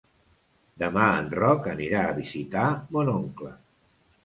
Demà en Roc anirà a visitar mon oncle.